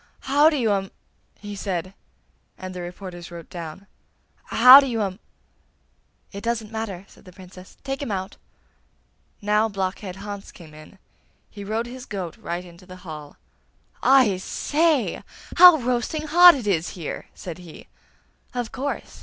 'How do you um!' he said, and the reporters wrote down. 'How do you um.' 'It doesn't matter!' said the Princess. 'Take him out!' Now Blockhead Hans came in; he rode his goat right into the hall. 'I say! How roasting hot it is here!' said he. 'Of course!